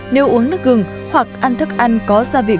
nếu uống nước gừng hoặc ăn thức ăn có giai đoạn